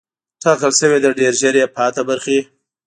ټاکل شوې ده ډېر ژر یې پاتې برخې